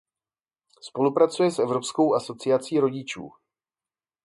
Spolupracuje s Evropskou asociací rodičů.